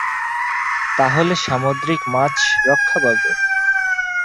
তাহলে সামুদ্রিক মাছ রক্ষা পাবে।